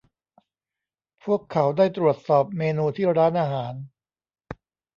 พวกเขาได้ตรวจสอบเมนูที่ร้านอาหาร